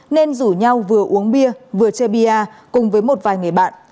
nên rủ nhau vừa uống bia vừa che bia cùng với một vài người bạn